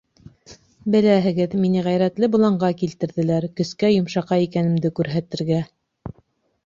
Беләһегеҙ, мине ғәйрәтле боланға килтерҙеләр — көскә йомшаҡай икәнемде күрһәтергә.